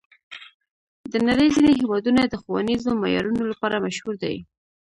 د نړۍ ځینې هېوادونه د ښوونیزو معیارونو لپاره مشهور دي.